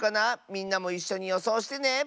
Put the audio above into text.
みんなもいっしょによそうしてね！